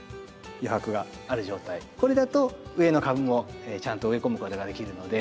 これだと上の株もちゃんと植え込むことができるので。